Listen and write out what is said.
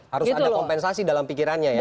harus ada kompensasi dalam pikirannya ya